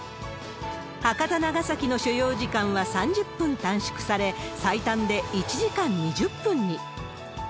博多・長崎の所要時間は３０分短縮され、最短で１時間２０分に。